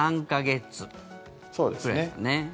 そうですね。